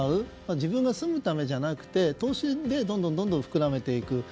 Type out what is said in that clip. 自分が住むためじゃなくて投資でどんどん膨らめていく。